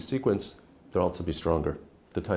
sẽ phải bất ngờ về việc này